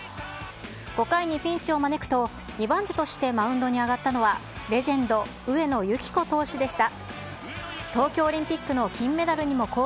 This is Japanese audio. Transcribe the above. ５回にピンチを招くと、２番手としてマウンドに上がったのは、レジェンド、上野由岐子投手でした。